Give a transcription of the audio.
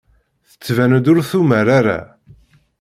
Tettban-d ur tumar ara.